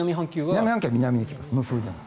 南半球は南に行きます。